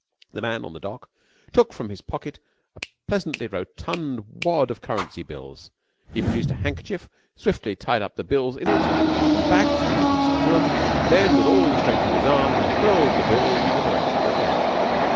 The man on the dock took from his pocket a pleasantly rotund wad of currency bills. He produced a handkerchief, swiftly tied up the bills in it, backed to give himself room, and then, with all the strength of his arm, he hurled the bills in the direction of the deck.